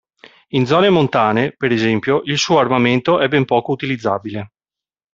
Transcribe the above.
In zone montane, per esempio, il suo armamento è ben poco utilizzabile.